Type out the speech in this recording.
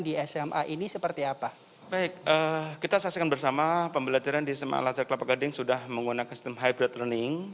dan kami memastikan bahwa konsep pembelajaran di sma islam al azhar kelapa gading ini seperti apa baik kita saksikan bersama pembelajaran di sma islam al azhar kelapa gading ini sudah menggunakan sistem hybrid learning